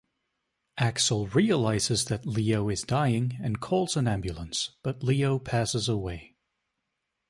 Axel realizes that Leo is dying and calls an ambulance but Leo passes away.